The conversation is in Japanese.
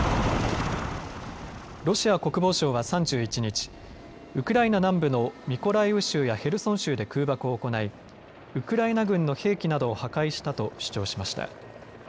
ロシア国防省は３１日、ウクライナ南部のミコライウ州やヘルソン州で空爆を行いウクライナ軍の兵器などを破壊したと主張しました。